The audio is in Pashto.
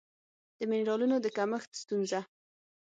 د مېنرالونو د کمښت ستونزه